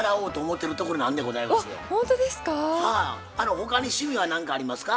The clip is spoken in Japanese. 他に趣味は何かありますか？